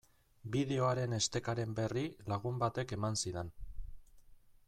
Bideoaren estekaren berri lagun batek eman zidan.